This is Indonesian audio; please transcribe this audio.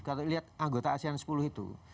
kalau lihat anggota asean sepuluh itu